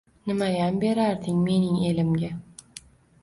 Nimayam berarding mening elimga